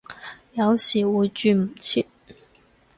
有時會轉唔切